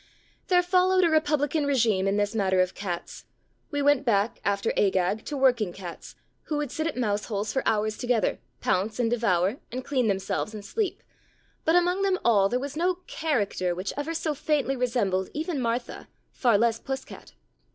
There followed a republican regime in this matter of cats. We went back, after Agag, to working cats, who would sit at mouse holes for hours together, pounce and devour, and clean themselves and sleep, but among them all there was no "character " which ever so faintly resembled even Martha, far less Puss cat.